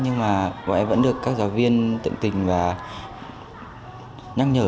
nhưng mà bọn em vẫn được các giáo viên tận tình và nhắc nhở